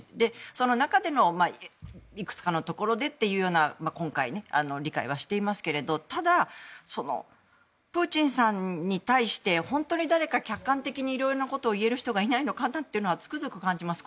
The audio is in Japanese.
その中でのいくつかのところでということが今回理解はしていますけどただ、プーチンさんに対して本当に誰か客観的に何かを言える人がいないのかなというのはつくづく感じます。